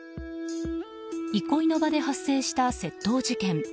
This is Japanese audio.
憩いの場で発生した窃盗事件。